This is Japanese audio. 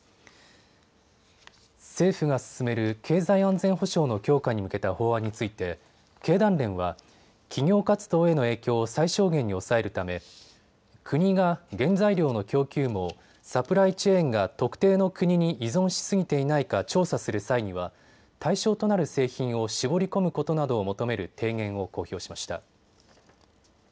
政府が進める経済安全保障の強化に向けた法案について経団連は企業活動への影響を最小限に抑えるため国が原材料の供給網・サプライチェーンが特定の国に依存し過ぎていないか調査する際には、対象となる製品を絞り込むことなどを求める提言を公表しました。